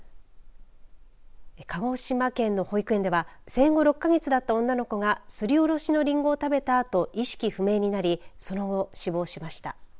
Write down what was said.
鹿児島県の保育園では生後６か月だった女の子がすりおろしのりんごを食べたあと意識不明になりその後、死亡しました。